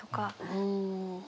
うん。